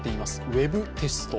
ウェブテスト。